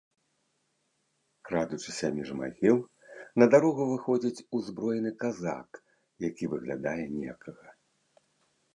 Крадучыся між магіл, на дарогу выходзіць узброены казак, які выглядае некага.